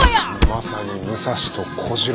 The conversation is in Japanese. まさに武蔵と小次郎。